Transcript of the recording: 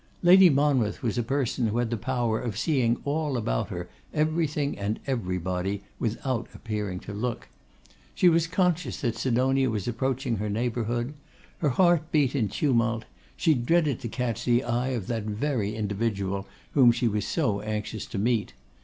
Lady Monmouth was a person who had the power of seeing all about her, everything and everybody, without appearing to look. She was conscious that Sidonia was approaching her neighbourhood. Her heart beat in tumult; she dreaded to catch the eye of that very individual whom she was so anxious to meet.